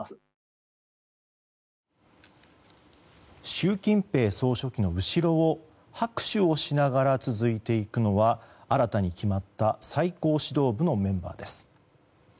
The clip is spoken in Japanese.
習近平総書記の後ろを拍手をしながら続いていくのは新たに決まった最高指導部のメンバーです。